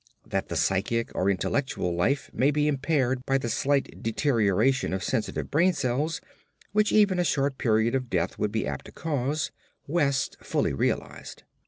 That the psychic or intellectual life might be impaired by the slight deterioration of sensitive brain cells which even a short period of death would be apt to cause, West fully realised.